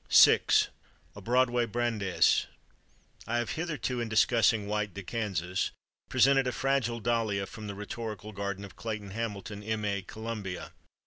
6 A Broadway Brandes I have hitherto, in discussing White de Kansas, presented a fragile dahlia from the rhetorical garden of Clayton Hamilton, M.A. (Columbia).